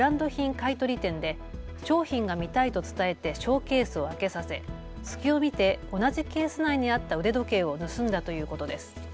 買取店で商品が見たいと伝えてショーケースを開けさせ隙を見て同じケース内にあった腕時計を盗んだということです。